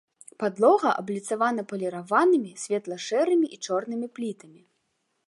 Падлога абліцавана паліраванымі светла-шэрымі і чорнымі плітамі.